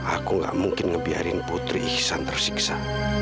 aku gak mungkin ngebiarin putri ihsan tersiksa